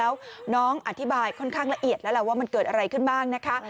แล้วน้องอธิบายค่อนข้างละเอียดแล้วล่ะว่ามันเกิดอะไรขึ้นบ้างนะคะ